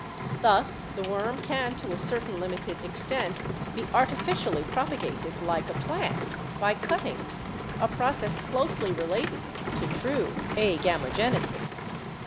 Thus the worm can to a certain lim ited extent be artificially propagated, like a plant, by cut tings, a process closely related to true agamogenesis.